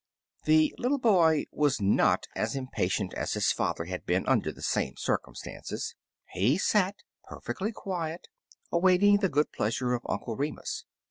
The little boy was not as impatient as his father had been under the same circum stances. He sat perfectly quiet, awaiting the good pleasure of Uncle Remus.